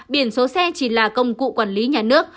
biển số xe chỉ là công cụ quản lý nhà nước